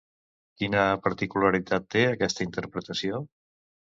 Quina particularitat té aquesta interpretació?